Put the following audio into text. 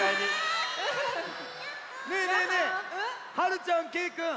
ねえねえねえはるちゃんけいくん。